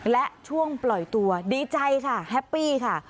และช่วงปล่อยตัวดีใจค่ะแฮปปี้ค่ะ